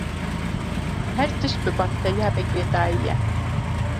Her tişt bi bakteriyan ve girêdayî ye.